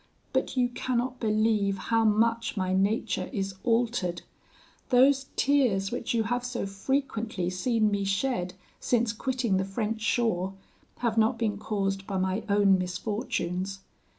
But you cannot believe how much my nature is altered; those tears which you have so frequently seen me shed since quitting the French shore, have not been caused by my own misfortunes.